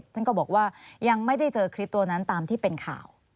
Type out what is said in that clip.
ท่านก็บอกว่ายังไม่ได้เจอคลิปตัวนั้นตามที่เป็นข่าว